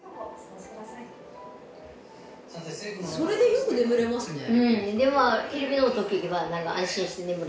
それでよく眠れますね。